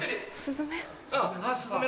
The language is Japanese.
すずめ？